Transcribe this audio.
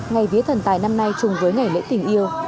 ngày vía thần tài năm nay chung với ngày lễ tình yêu